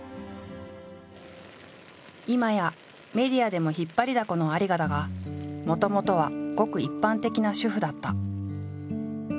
今やメディアでも引っ張りだこの有賀だがもともとはごく一般的な主婦だった。